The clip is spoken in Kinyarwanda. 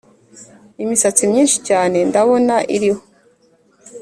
imisatsi myinshi cyane ndabona, iriho